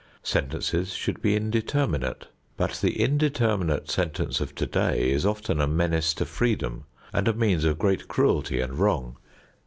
Sentences should be indeterminate, but the indeterminate sentence of today is often a menace to freedom and a means of great cruelty and wrong.